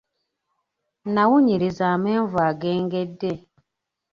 Nawunyiriza amenvu ag'engedde.